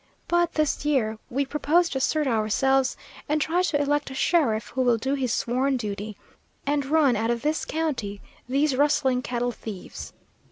But this year we propose to assert ourselves, and try to elect a sheriff who will do his sworn duty, and run out of this county these rustling cattle thieves.